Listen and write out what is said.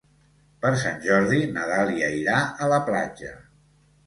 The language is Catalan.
Per Sant Jordi na Dàlia irà a la platja.